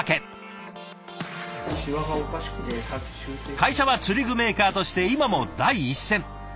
会社は釣り具メーカーとして今も第一線。